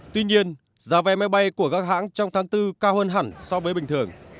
tuy nhiên giá vé máy bay của các hãng trong tháng bốn cao hơn hẳn so với bình thường